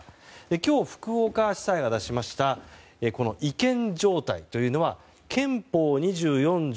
今日、福岡地裁が出しました違憲状態というのは憲法２４条